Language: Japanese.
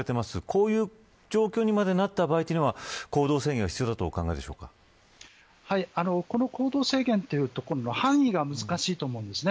こういう状況にまでなった場合は行動制限が必要だとこの行動制限というと行動範囲が難しいと思うんです。